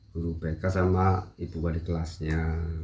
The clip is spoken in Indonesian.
guru bengkel sama ibu wadik kelasnya